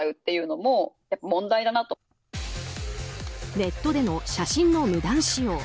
ネットでの写真の無断使用。